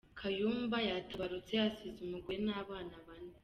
Kayumba yatabarutse asize umugore n’abana bane.